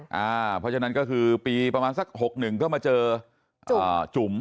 เพราะฉะนั้นก็คือปีประมาณสัก๖๑ก็มาเจอจุ๋ม